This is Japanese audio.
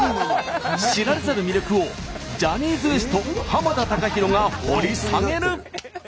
知られざる魅力をジャニーズＷＥＳＴ田崇裕が掘り下げる。